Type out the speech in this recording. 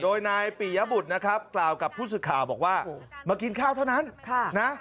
โดยนายปียบุตรนะครับกล่าวกับผู้สื่อข่าวบอกว่ามากินข้าวเท่านั้นนะ